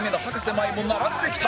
マイも並んできた